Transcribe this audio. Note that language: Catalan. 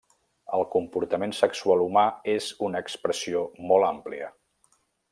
El comportament sexual humà és una expressió molt àmplia.